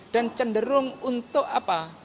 dan cenderung untuk apa